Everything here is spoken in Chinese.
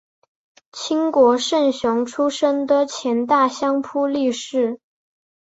清国胜雄出身的前大相扑力士。